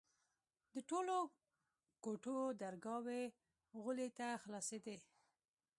د ټولو کوټو درگاوې غولي ته خلاصېدې.